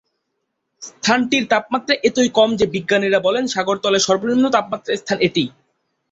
স্থানটির তাপমাত্রা এতই কম যে, বিজ্ঞানীরা বলেন সাগর তলের সর্বনিম্ন তাপমাত্রার স্থান এটিই।